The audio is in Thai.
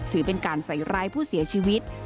ถือเป็นการใส่ร้ายผู้เสียชีวิต